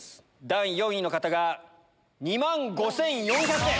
第４位の方が２万５４００円。